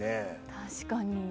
確かに。